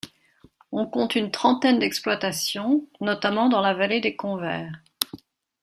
On compte une trentaine d'exploitations, notamment dans la vallée des Convers.